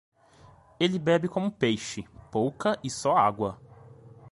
Ele bebe como peixe, pouca e só água.